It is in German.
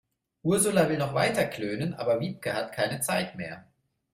Ursula will noch weiter klönen, aber Wiebke hat keine Zeit mehr.